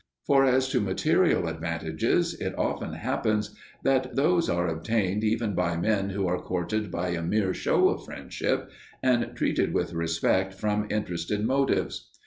For as to material advantages, it often happens that those are obtained even by men who are courted by a mere show of friendship and treated with respect from interested motives.